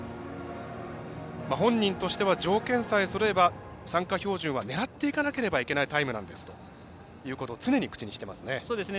本人としては、条件さえそろえば参加標準は狙っていかなければいけないタイムなんですということを常に口にしていますね。